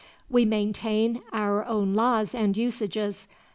"We maintain our own laws and usages.